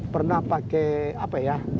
pernah pakai apa ya